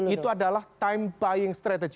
itu adalah time buying strategy